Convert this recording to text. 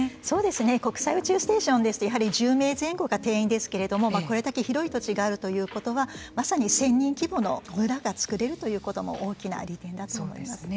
国際宇宙ステーションですとやはり１０名前後が定員ですけれどもこれだけ広い土地があるということはまさに１０００人規模の村が作れるということも大きな利点だと思います。